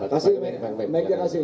makasih baiknya kasih